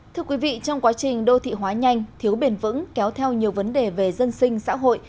thưa quý vị trong quá trình đô thị hóa nhanh thiếu bền vững kéo theo nhiều vấn đề về dân sinh xã hội